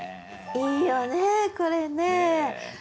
いいよねこれね。